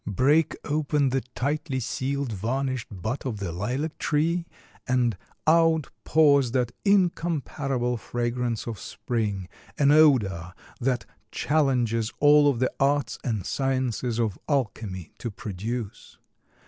Break open the tightly sealed, varnished bud of the lilac tree, and out pours that incomparable fragrance of Spring, an odor that challenges all of the arts and sciences or alchemy to produce.